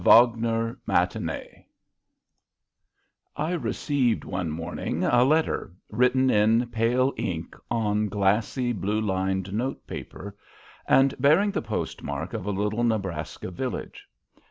A Wagner Matinee I received one morning a letter, written in pale ink on glassy, blue lined note paper, and bearing the postmark of a little Nebraska village.